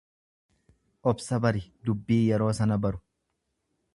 Obsa bari, dubbii yeroo sana baru.